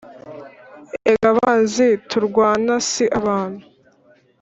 Erega abanzi turwana si abantu